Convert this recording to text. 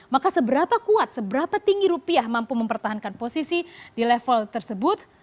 maka seberapa kuat seberapa tinggi rupiah mampu mempertahankan posisi di level tersebut